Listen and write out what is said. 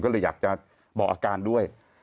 ก็เลยอยากจะบอกอาการด้วย